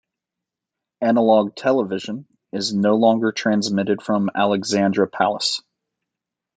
Analogue television is no longer transmitted from Alexandra Palace.